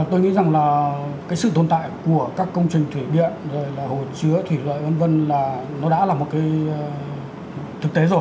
tôi nghĩ rằng là cái sự tồn tại của các công trình thủy điện rồi là hồ chứa thủy lợi v v là nó đã là một cái thực tế rồi